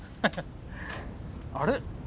あれ？